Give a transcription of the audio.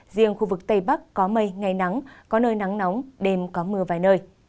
riêng khu vực tây bắc có mây ngày nắng có nơi nắng nóng đêm có mưa vài nơi